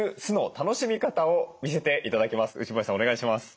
お願いします。